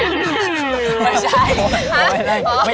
ไม่ใช่